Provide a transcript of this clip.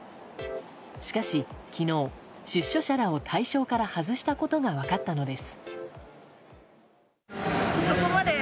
しかし昨日出所者らを対象から外したことが分かったのです。